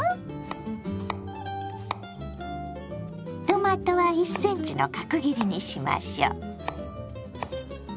トマトは１センチの角切りにしましょう。